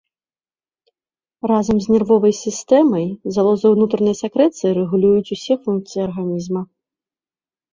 Разам з нервовай сістэмай залозы ўнутранай сакрэцыі рэгулююць усе функцыі арганізма.